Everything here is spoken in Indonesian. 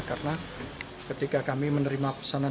karena ketika kami menerima permintaan